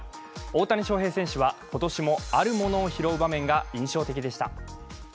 大谷翔平選手は今年もあるものを拾う場面が印象的でした。